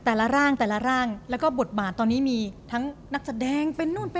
ทำตลาดมาตลาดแล้วบทบาทมีทั้งนักแสดง